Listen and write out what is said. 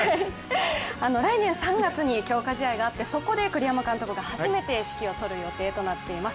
来年３月に強化試合があってそこで栗山監督が初めて指揮を執る予定となっています。